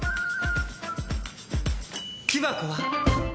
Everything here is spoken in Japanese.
「木箱は」